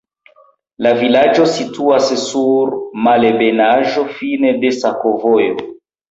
La vilaĝo situas sur malebenaĵo, fine de sakovojo.